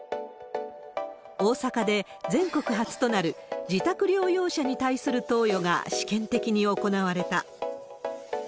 大阪で全国初となる自宅療養者に対する投与が試験的に行われた。